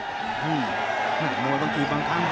ไม่พูดว่ายังดีบ้างครั้ง